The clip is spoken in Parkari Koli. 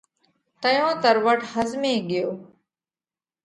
تئيون تروٽ ۿزمي ڳيو۔